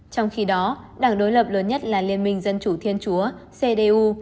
trong khi đó đảng đối lập lớn nhất là liên minh dân chủ thiên chúa cdu